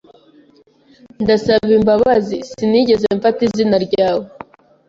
Ndasaba imbabazi. Sinigeze mfata izina ryawe.